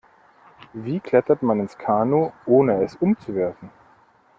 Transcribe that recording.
Wie klettert man ins Kanu, ohne es umzuwerfen?